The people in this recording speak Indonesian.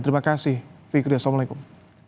terima kasih fikri assalamualaikum